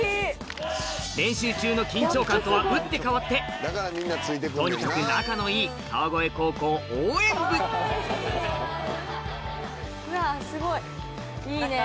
団長！とは打って変わってとにかく仲のいい川越高校応援部うわすごい。